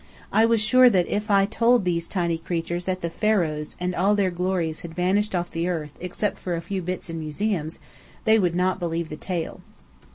I was sure that, if I told these tiny creatures that the Pharaohs and all their glories had vanished off the earth except for a few bits in museums, they would not believe the tale.